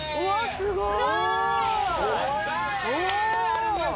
すごい。